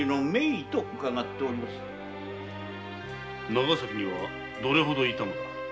長崎にはどれほど居たのだ？